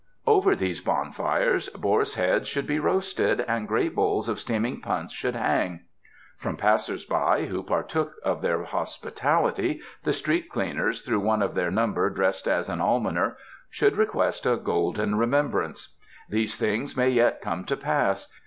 Over these bonfires .boars' heads should be roasted and great bowls of steaming punch should hang. From passersby who partook of their hospitality the street cleaners, through one of their number dressed as an almoner, should request a golden remembrance. These things may yet come to pass.